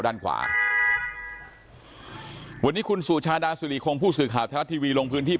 ด้านขวาวันนี้คุณสุชาดาสุริคงผู้สื่อข่าวไทยรัฐทีวีลงพื้นที่